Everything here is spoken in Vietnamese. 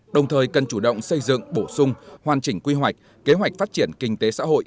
đồng thời cần chủ động xây dựng bổ sung hoàn chỉnh quy hoạch kế hoạch phát triển kinh tế xã hội